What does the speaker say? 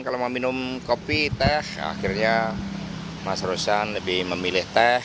kalau mau minum kopi teh akhirnya mas rosan lebih memilih teh